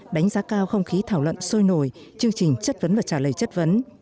đánh giá cao không khí thảo luận sôi nổi chương trình chất vấn và trả lời chất vấn